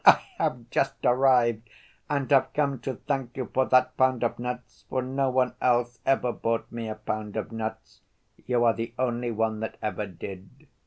I have just arrived and have come to thank you for that pound of nuts, for no one else ever bought me a pound of nuts; you are the only one that ever did.